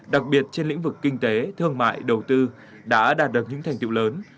đặc biệt trên lĩnh vực kinh tế thương mại đầu tư đã đạt được những thành tiệu lớn